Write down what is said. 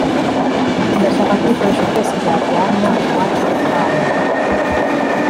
ndashaka ko ibikoresho byose byajyanwa iwacu ako kanya